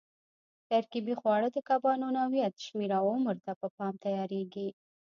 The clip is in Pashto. ترکیبي خواړه د کبانو نوعیت، شمېر او عمر ته په پام تیارېږي.